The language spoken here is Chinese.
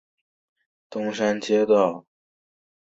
东山街道是中国广东省湛江市麻章区下辖的一个街道。